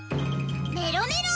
メロメロ！